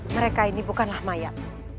mereka ini bukanlah mayat